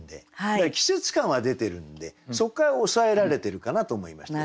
だから季節感は出てるんでそこから押さえられてるかなと思いました。